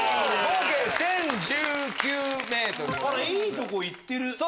いいとこ行ってる。